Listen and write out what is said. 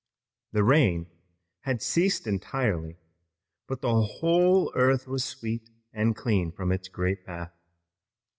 The rain had ceased entirely, but the whole earth was sweet and clean from its great bath.